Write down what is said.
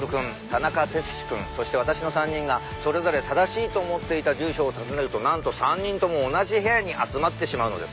田中哲司君そして私の３人がそれぞれ正しいと思っていた住所を訪ねるとなんと３人とも同じ部屋に集まってしまうのです。